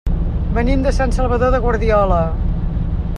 Venim de Sant Salvador de Guardiola.